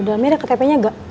dalamnya ada ktp nya gak